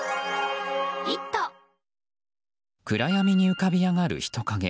暗闇に浮かび上がる人影。